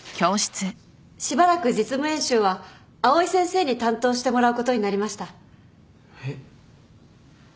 しばらく実務演習は藍井先生に担当してもらうことになりました。えっ？どうして？